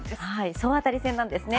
総当たり戦なんですね。